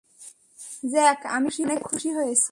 Jack, আমি অনেক খুশি হয়েছি।